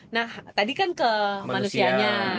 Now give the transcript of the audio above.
nah tadi kan ke manusianya